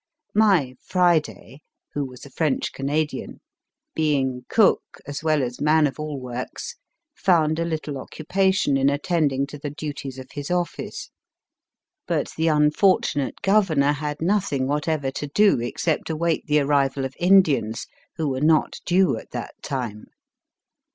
My * Friday who was a French Canadian being cook, as well as man of all works, found a little occupation in attending to the duties of his office, but the unfortunate A f THB TT NTTVF.RSITY 154 MY FIRST BOOK Governor had nothing whatever to do except await the arrival of Indians, who were not due at that time.